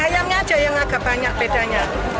ayamnya aja yang agak banyak bedanya